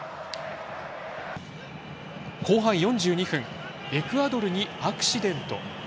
後半４２分エクアドルにアクシデント。